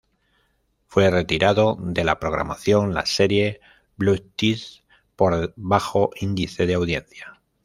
Fue retirado de la programación la serie "Blood Ties", por bajo índice de audiencia.